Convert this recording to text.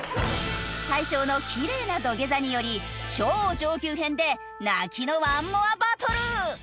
大昇のきれいな土下座により超上級編で泣きのワンモアバトル！